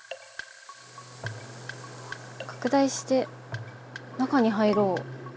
「拡大して中に入ろう」。